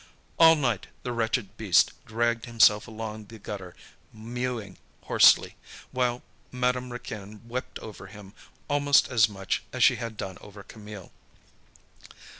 All night the wretched beast dragged himself along the gutter mewing hoarsely, while Madame Raquin wept over him almost as much as she had done over Camille.